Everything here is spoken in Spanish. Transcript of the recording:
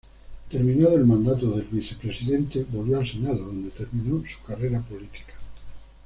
Terminado el mandato de vicepresidente, volvió al Senado, donde terminó su carrera política.